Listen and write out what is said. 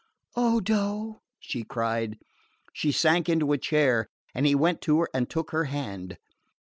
"Odo!" she cried. She sank into a chair, and he went to her and took her hand.